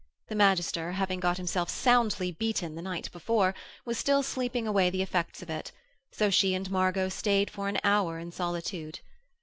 The magister, having got himself soundly beaten the night before, was still sleeping away the effects of it, so she and Margot stayed for an hour in solitude.